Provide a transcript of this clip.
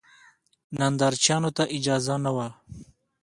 نندارچیانو ته اجازه نه وه.